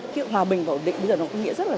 cái hòa bình bảo định bây giờ nó có nghĩa rất là